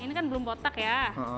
ini kan belum kotak ya